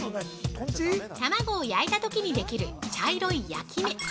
◆卵を焼いたときにできる茶色い焼き目。